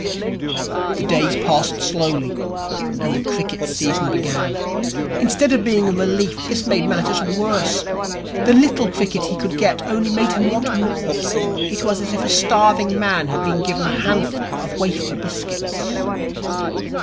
The days passed slowly, and the cricket season began. Instead of being a relief, this made matters worse. The little cricket he could get only made him want more. It was as if a starving man had been given a handful of wafer biscuits.